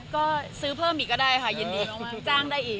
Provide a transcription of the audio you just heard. ก็ซื้อเพิ่มอีกก็ได้ค่ะยินดีจ้างได้อีก